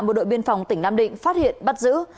bộ đội biên phòng tỉnh nam định phát hiện bắt giữ